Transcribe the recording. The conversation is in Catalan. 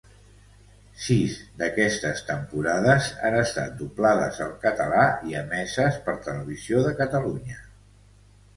Sis d'aquestes temporades han estat doblades al català i emeses per Televisió de Catalunya.